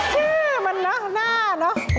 ชื่อมันน่าเนอะ